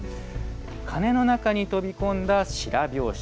鐘の中に飛び込んだ白拍子。